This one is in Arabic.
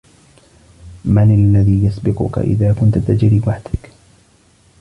من الذي يسبقك إذا كنت تجري وحدك.